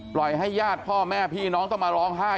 ปล่อยให้ญาติพ่อแม่พี่น้องต้องมาร้องไห้